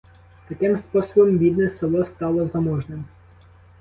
Таким способом бідне село стало заможним.